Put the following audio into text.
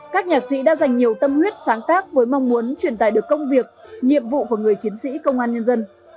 các nhạc sĩ đã dành nhiều tâm huyết sáng tác với mong muốn truyền tài được công việc nhiệm vụ của người chiến sĩ công an nhân dân